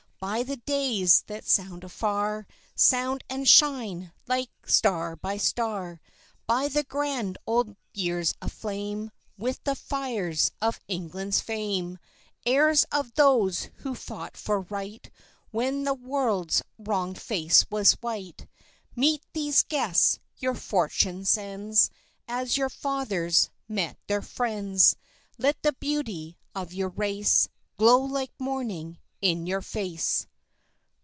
Solo Tenor By the days that sound afar, Sound, and shine like star by star; By the grand old years aflame With the fires of England's fame Heirs of those who fought for right When the world's wronged face was white Meet these guests your fortune sends, As your fathers met their friends; Let the beauty of your race Glow like morning in your face.